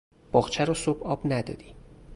باغچه رو صبح آب ندادی